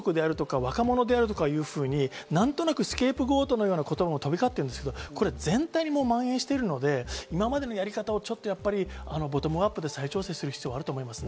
飲食であるとか若者であるとかいうふうに、スケープゴートのような言葉が飛び交っていますが、全体にまん延しているので、今までのやり方をちょっとボトムアップで再調整する必要があると思います。